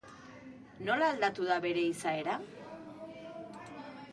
Nola aldatu da bere izaera?